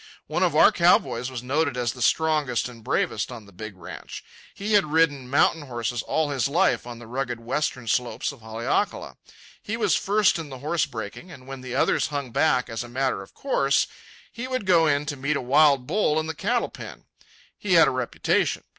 One of our cow boys was noted as the strongest and bravest on the big ranch. He had ridden mountain horses all his life on the rugged western slopes of Haleakala. He was first in the horse breaking; and when the others hung back, as a matter of course, he would go in to meet a wild bull in the cattle pen. He had a reputation.